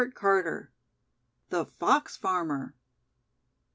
CHAPTER XV. THE FOX FARMER.